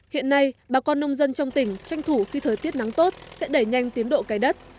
hiện nay bà con nông dân trong tỉnh tranh thủ khi thời tiết nắng tốt sẽ đẩy nhanh tiến độ cài đất